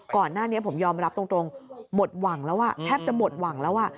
ก่อนหน้านี้ผมยอมรับตรงหมดหวังแล้วแทบจะหมดหวังแล้ว